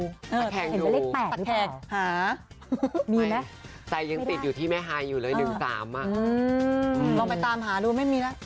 เห็นไปเลข๘หรือเปล่ามีไหมแต่ยังติดอยู่ที่แม่หายอยู่เลย๑๓ลองไปตามหาดูไม่มีแล้ว